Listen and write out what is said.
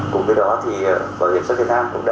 cùng với đó thì bảo hiểm sở việt nam cũng đã